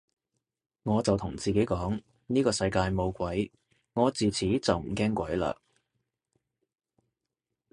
我就同自己講呢個世界冇鬼，我自此就唔驚鬼嘞